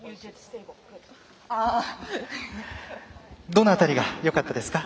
どの辺りがよかったですか？